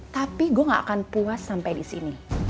tapi gue gak akan puas sampai di sini